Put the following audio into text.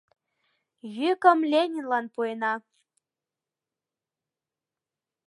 Йӱкым Ленинлан пуэна!